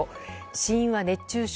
死因は熱中症。